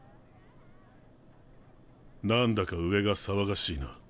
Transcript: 何だか上が騒がしいな。